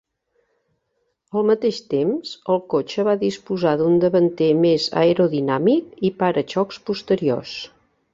Al mateix temps, el cotxe va disposar d'un davanter més aerodinàmic i para-xocs posteriors.